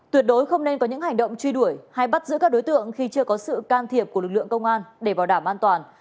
tuyệt đối không nên có những hành động truy đuổi hay bắt giữ các đối tượng khi chưa có sự can thiệp của lực lượng công an để bảo đảm an toàn